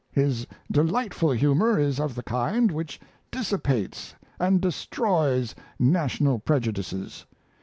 His delightful humor is of the kind which dissipates and destroys national prejudices.